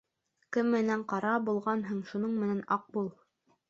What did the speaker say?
Кем менән ҡара булғанһың, шуның менән аҡ бул.